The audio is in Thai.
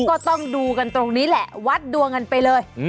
ก็ต้องดูกันตรงนี้แหละวัดดวงกันไปเลย